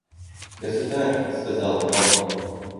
«Государь! – сказал он.